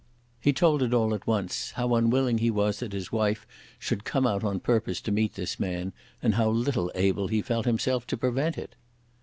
He told it all at once; how unwilling he was that his wife should come out on purpose to meet this man, and how little able he felt himself to prevent it.